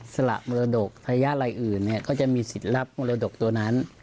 สละมรดกทายาทรายอื่นก็จะมีสิทธิ์รับมรดกตัวนั้น